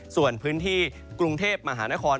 ส่วนพื้นที่กรุงเทพมหานคร